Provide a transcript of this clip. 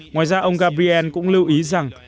ngoài ra ông garbier cũng lưu ý rằng